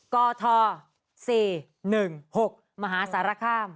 กศ๔๑๖มหาศาลค่ำ